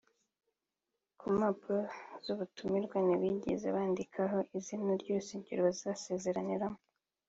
Ku mpapuro z’ubutumire ntibigeze bandikaho izina ry’urusengero bazasezeraniramo